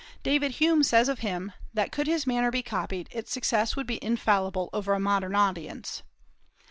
David Hume says of him that "could his manner be copied, its success would be infallible over a modern audience."